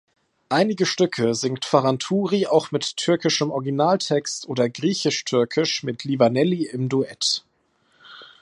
Einige Stücke singt Farantouri auch mit türkischem Originaltext oder griechisch-türkisch mit Livaneli im Duett.